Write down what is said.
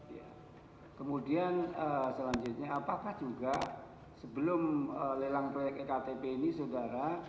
ya kemudian selanjutnya apakah juga sebelum lelang proyek ektp ini saudara